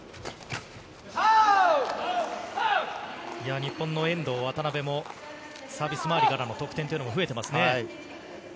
日本の遠藤・渡辺もサービス周りからの得点というのも増えてますね。